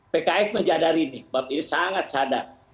pks menjadari ini sangat sadar